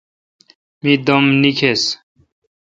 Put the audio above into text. می دم نکیس۔